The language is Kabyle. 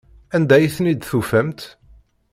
Anda ay ten-id-tufamt?